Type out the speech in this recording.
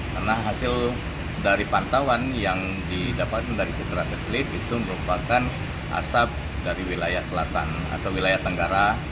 karena hasil dari pantauan yang didapatkan dari keterasaan satelit itu merupakan asap dari wilayah selatan atau wilayah tenggara